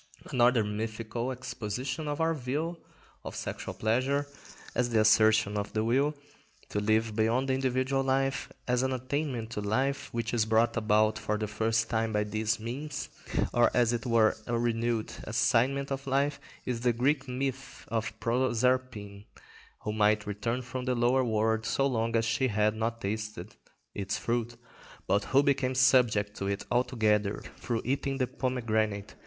Another mythical exposition of our view of sexual pleasure as the assertion of the will to live beyond the individual life, as an attainment to life which is brought about for the first time by this means, or as it were a renewed assignment of life, is the Greek myth of Proserpine, who might return from the lower world so long as she had not tasted its fruit, but who became subject to it altogether through eating the pomegranate.